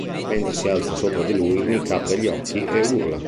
Mentre si alza sopra di lui, Nick apre gli occhi e urla.